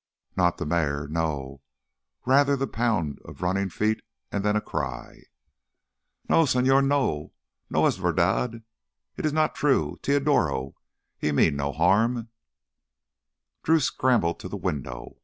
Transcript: Not the mare—no—rather the pound of running feet and then a cry.... "No, señor, no! No es verdad—it is not true! Teodoro, he meant no harm—!" Drew scrambled to the window.